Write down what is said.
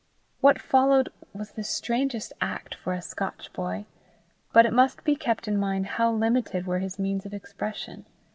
What followed was the strangest act for a Scotch boy, but it must be kept in mind how limited were his means of expression.